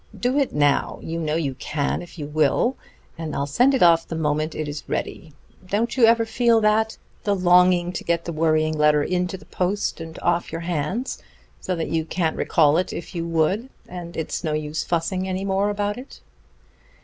Do it now you know you can if you will and I'll send it off the moment it is ready. Don't you ever feel that? the longing to get the worrying letter into the post and off your hands, so that you can't recall it if you would, and it's no use fussing any more about it."